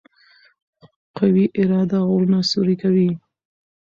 قوي اراده غرونه سوري کوي.